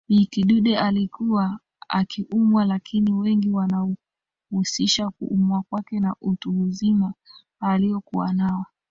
Bi Kidude alikuwa akiumwa lakini wengi wanahusisha kuumwa kwake na utu uzima aliokuwa nao